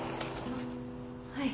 あっはい